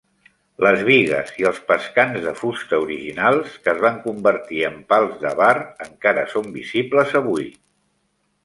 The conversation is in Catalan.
Les bigues i els pescants de fusta originals, que es van convertir en pals de bar, encara són visibles avui.